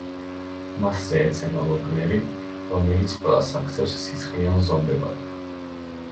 მასზე ეცემა ლოკ-ნერი, რომელიც ყველას აქცევს სისხლიან ზომბებად.